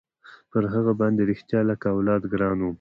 پر هغه باندې رښتيا لكه اولاد ګران وم.